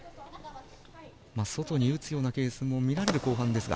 外に打つようなケースも見られる後半ですが。